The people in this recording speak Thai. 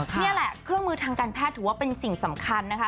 นี่แหละเครื่องมือทางการแพทย์ถือว่าเป็นสิ่งสำคัญนะคะ